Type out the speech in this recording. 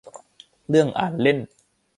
เรื่องอ่านเล่น